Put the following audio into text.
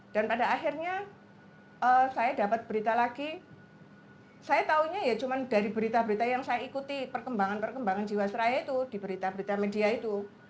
dan pada akhirnya saya dapat berita lagi saya taunya ya cuma dari berita berita yang saya ikuti perkembangan perkembangan jiwasraya itu di berita berita media itu